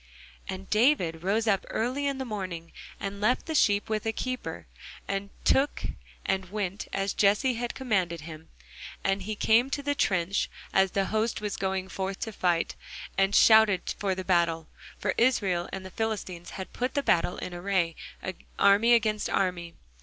And David rose up early in the morning, and left the sheep with a keeper, and took, and went, as Jesse had commanded him; and he came to the trench, as the host was going forth to the fight, and shouted for the battle. For Israel and the Philistines had put the battle in array, army against army.